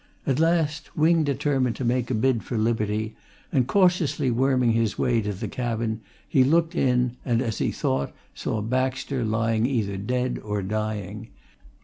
At last, Wing determined to make a bid for liberty, and cautiously worming his way to the cabin he looked in and as he thought, saw Baxter lying either dead or dying.